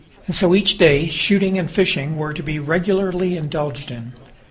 And so each day shooting and fishing were to be regularly indulged in.